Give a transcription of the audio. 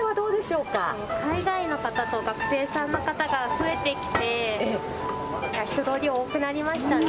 海外の方と、学生さんの方が増えてきて、人通り多くなりましたね。